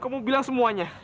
kamu bilang semuanya